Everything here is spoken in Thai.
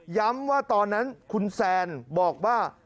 ว่าตอนนั้นคุณแซนบอกว่า